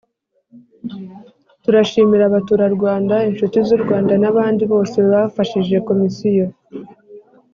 Turashimira Abaturarwanda inshuti z u Rwanda n abandi bose bafashije Komisiyo